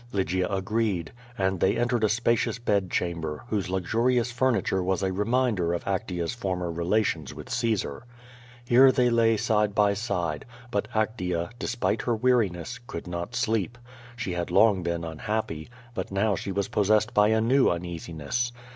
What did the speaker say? Lygia agreed, and tlicy entered a spacious bed chamber, whose luxurious furniture was a re minder of Actea's former relations with Caesar. Here tliey lay side by side, but Actea, despite her weariness, could not sleep. She had long been unhappy, but now she was pos sessed by a new uneasiness.